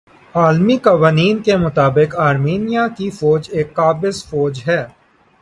عالمی قوانین کے مطابق آرمینیا کی فوج ایک قابض فوج ھے